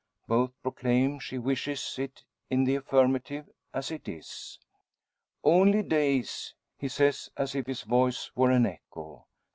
Both proclaim she wishes it in the affirmative; as it is. "Only days!" he says, as if his voice were an echo.